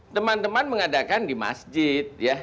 teman teman mengadakan di masjid ya